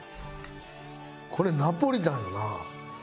これナポリタンよな？